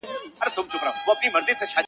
خیال دي راځي خو لکه خوب غوندي په شپه تېرېږي!!